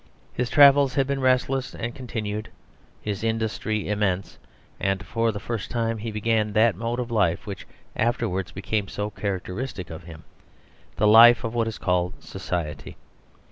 His travels had been restless and continued, his industry immense, and for the first time he began that mode of life which afterwards became so characteristic of him the life of what is called society.